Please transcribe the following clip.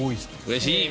うれしい！